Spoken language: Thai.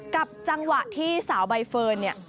กับจังหวะที่สาวใบเฟิร์นเนี่ย